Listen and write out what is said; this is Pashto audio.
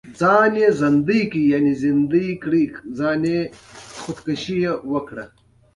مورخ باید له باوري منابعو څخه کار واخلي.